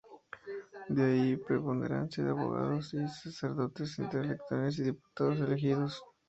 De ahí la preponderancia de abogados y sacerdotes entre los electores y diputados elegidos.